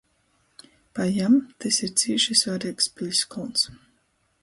Pa jam, tys ir cīši svareigs piļskolns.